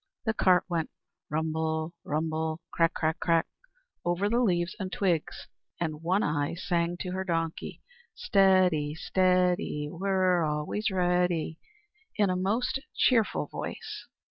The cart went rumble, crumble, crack, crack, crack, over the leaves and twigs, and One Eye sang to her donkey: "Steady, steady, We're always ready," in a most cheerful voice.